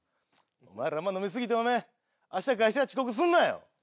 お前らあんま飲み過ぎてお前あした会社遅刻すんなよ。